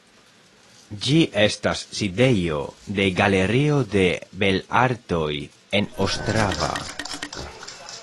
Ĝi estas sidejo de Galerio de belartoj en Ostrava.